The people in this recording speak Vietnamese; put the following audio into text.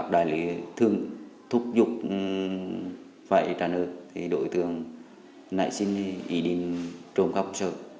đại lý thường thúc giục vậy trả nợ thì đội thường lại xin ý định trộm khắp công sở